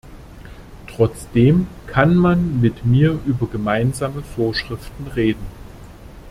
Trotzdem kann man mit mir über gemeinsame Vorschriften reden.